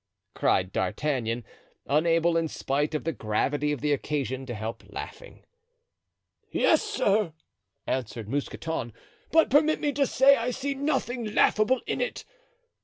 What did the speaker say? cried D'Artagnan, unable in spite of the gravity of the occasion to help laughing. "Yes, sir," answered Mousqueton; "but permit me to say I see nothing laughable in it.